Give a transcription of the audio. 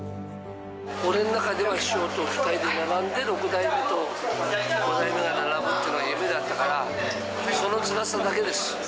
俺の中では師匠と２人で並んで６代目と５代目が並ぶっていうのは夢だったから、そのつらさだけです。